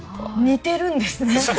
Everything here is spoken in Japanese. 似てるんですね。